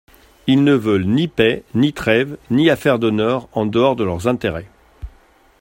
Ils ne veulent ni paix, ni trêve, ni affaires d'honneur en dehors de leurs intérêts.